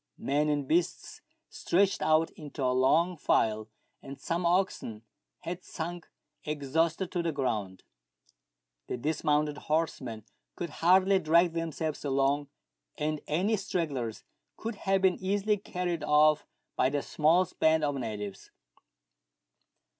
Men and beasts stretched out into a Icng file, and some oxen had sunk exhausted to the ground. The dismounted horsemen could hardly drag themselves along, and any stragglers could have been easily carried off by 175 meridiana; the adventures of ' the smallest band of natives.